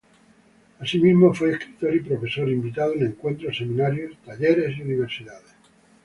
Asimismo, fue escritor y profesor invitado en encuentros, seminarios, talleres y universidades.